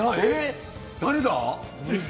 誰だ？